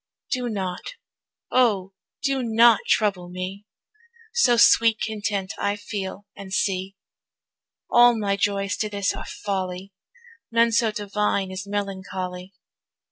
Do not, O do not trouble me, So sweet content I feel and see. All my joys to this are folly, None so divine as melancholy.